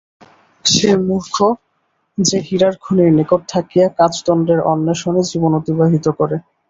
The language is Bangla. সে মূর্খ, যে হীরার খনির নিকট থাকিয়া কাচদণ্ডের অন্বেষণে জীবন অতিবাহিত করে।